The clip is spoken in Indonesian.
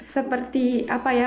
seperti apa ya